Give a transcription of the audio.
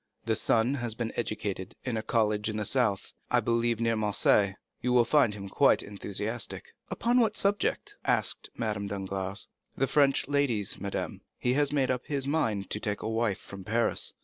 "The son has been educated in a college in the south; I believe near Marseilles. You will find him quite enthusiastic." "Upon what subject?" asked Madame Danglars. "The French ladies, madame. He has made up his mind to take a wife from Paris."